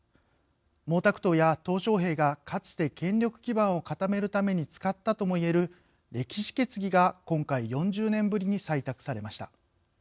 毛沢東や、とう小平がかつて権力基盤を固めるために使ったともいえる歴史決議が今回４０年ぶりに採択されました。